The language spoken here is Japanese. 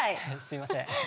すいません。